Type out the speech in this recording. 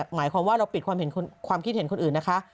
หมายความว่าเราปิดความคิดเห็นคนอื่นนะคะ